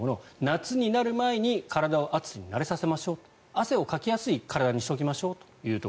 夏になる前に体を暑さに慣れさせましょう汗をかきやすい体にしておきましょう。